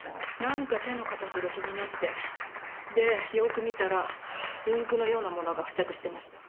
なんか手の形が気になってでよく見たらインクのようなものが付着していました。